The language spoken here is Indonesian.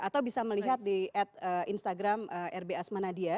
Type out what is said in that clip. atau bisa melihat di instagram rbs manadia